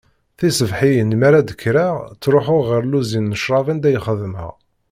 Tiṣebḥiyin mi ara d-kkreɣ, ttruḥuɣ ɣer lluzin n ccrab anda i xeddmeɣ.